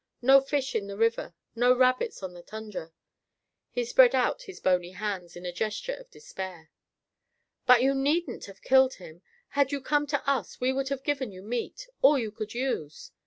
No fish in the river; no rabbits on the tundra!" He spread out his bony hands in a gesture of despair. "But you needn't have killed him. Had you come to us we would have given you meat, all you could use."